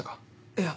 いや。